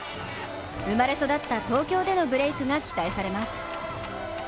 生まれ育った東京でもブレイクが期待されます。